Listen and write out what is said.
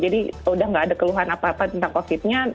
jadi sudah nggak ada keluhan apa apa tentang covid nya